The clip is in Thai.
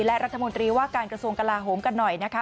และรัฐมนตรีว่าการกระทรวงกลาโหมกันหน่อยนะคะ